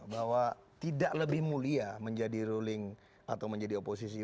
bahwa tidak lebih mulia menjadi ruling atau menjadi oposisi